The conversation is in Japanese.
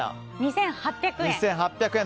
２８００円。